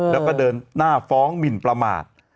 แล้วก็เดินหน้าฟ้องหมินประมาท